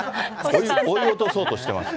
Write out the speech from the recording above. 追い落とそうとしてますから。